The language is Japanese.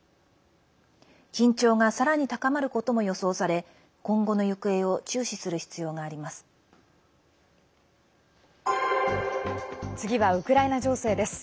緊張が、さらに高まることも予想され今後の行方を注視する必要があります。